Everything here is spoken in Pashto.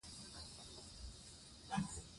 اوږده غرونه د افغانستان د طبیعت برخه ده.